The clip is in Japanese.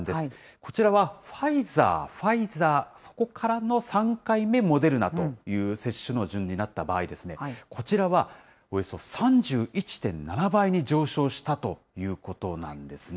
こちらは、ファイザー、ファイザー、そこからの３回目、モデルナという接種の順になった場合、こちらはおよそ３１．７倍に上昇したということなんですね。